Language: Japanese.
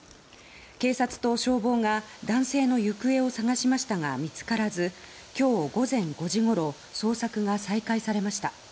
警察と消防が男性の行方を捜しましたが見つからず今日午前５時ごろ捜索が再開されました。